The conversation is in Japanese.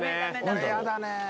これやだね。